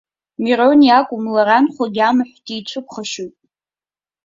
Мирон иакәым, лара, анхәагьы амаҳә дицәыԥхашьоит.